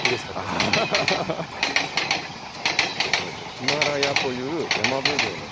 ヒマラヤという山ぶどうの品種。